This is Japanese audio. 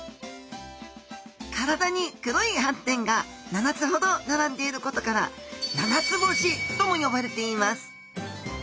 体に黒い斑点が７つほど並んでいることから七つ星とも呼ばれています